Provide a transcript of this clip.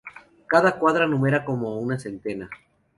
Cada cuadra numera como una centena.